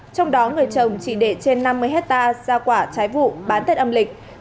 trong đó người chồng chỉ để trên năm mươi hectare ra quả trái vụ bán tết âm lịch